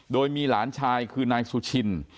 โดยมีหลานชายคือนายสุชิน